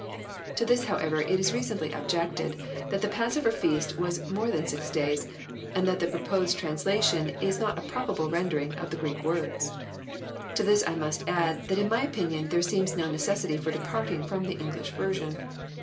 To this, however, it is reasonably objected that the passover feast was more than six days, and that the proposed translation is not a probable rendering of the Greek words.— To this I mhst add, that in my opinion there seems no necessity for departing Arom the English version.